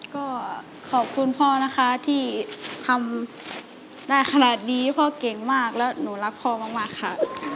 ก็ขอบคุณพ่อนะคะที่ทำได้ขนาดนี้พ่อเก่งมากแล้วหนูรักพ่อมากค่ะ